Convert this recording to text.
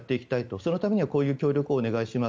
そのためにはこういう協力をお願いします。